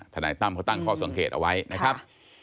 นายตั้มเขาตั้งข้อสังเกตเอาไว้นะครับ